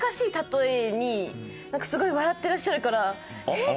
えっ！